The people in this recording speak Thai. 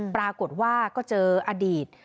ปรากฏว่าก็เจออดีต